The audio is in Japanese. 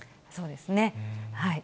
そうですね。